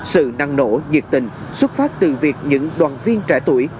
sự năng nổ nhiệt tình xuất phát từ việc những đoàn viên trẻ tuổi